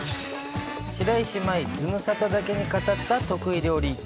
白石麻衣ズムサタだけに語った得意料理。